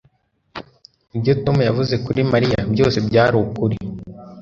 Ibyo Tom yavuze kuri Mariya byose byari ukuri